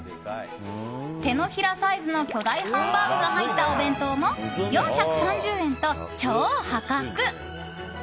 手のひらサイズの巨大ハンバーグが入ったお弁当も４３０円と超破格。